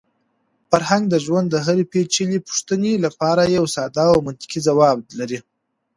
فرهنګ د ژوند د هرې پېچلې پوښتنې لپاره یو ساده او منطقي ځواب لري.